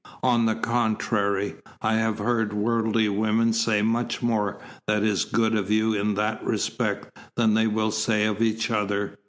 On the contrary, I have heard worldly women say much more that is good of you in that respect than they will say of each other.